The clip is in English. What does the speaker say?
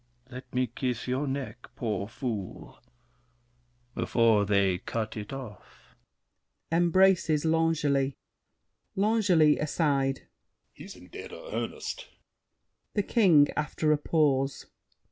Let me kiss your neck, poor fool, Before they cut it off. [Embraces L'Angely. L'ANGELY (aside). He's in dead earnest! THE KING (after a pause).